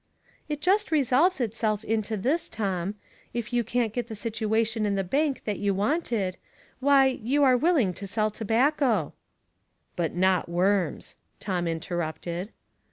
'*" It just resolves itself into this, Tom ; if you can't get the situation in the bank that you wanted — why, you are willing to sell tobacco." " But not worms," Tom interrupted.